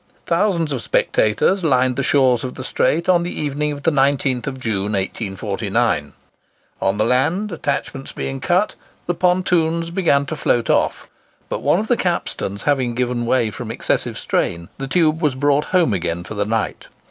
Thousands of spectators lined the shores of the Strait on the evening of the 19th June, 1849. On the land attachments being cut, the pontoons began to float off; but one of the capstans having given way from excessive strain, the tube was brought home again for the night.